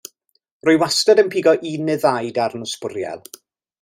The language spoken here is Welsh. Rwy wastad yn pigo un neu ddau darn o sbwriel.